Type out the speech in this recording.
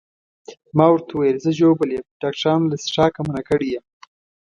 ما ورته وویل زه ژوبل یم، ډاکټرانو له څښاکه منع کړی یم.